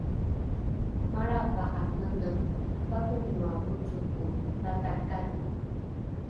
malrapa’a mene pakonoa vocoko lata kane